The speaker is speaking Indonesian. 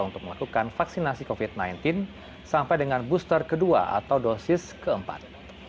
untuk melakukan vaksinasi covid sembilan belas sampai dengan booster kedua atau dosis keempat